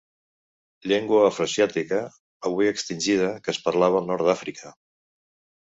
Llengua afroasiàtica, avui extingida, que es parlava al nord d'Àfrica.